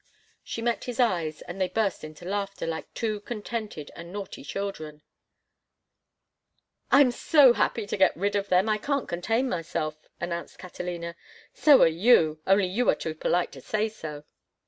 She met his eyes, and they burst into laughter like two contented and naughty children. "I'm so happy to get rid of them I can't contain myself," announced Catalina. "So are you, only you are too polite to say so.